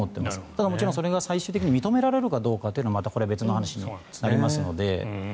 ただ、それが最終的に認められるかどうかはまた別の話になりますので。